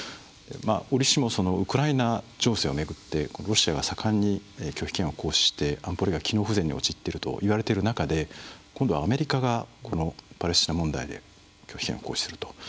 おりしもウクライナ情勢を巡ってロシアが盛んに拒否権を行使して安保理が機能不全に陥っているといわれている中で今度はアメリカがこのパレスチナ問題で拒否権を行使すると。